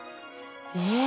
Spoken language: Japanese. え！